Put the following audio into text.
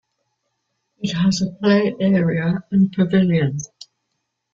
It has a play area and pavilion.